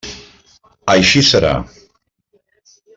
Així serà.